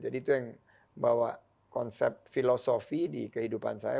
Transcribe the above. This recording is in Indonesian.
jadi itu yang bawa konsep filosofi di kehidupan saya